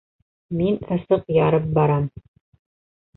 Мин ысыҡ ярып барам!